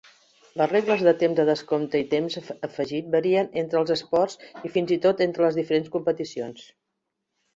Les regles de temps de descompte i temps afegit varien entre els esports i, fins i tot, entre les diferents competicions.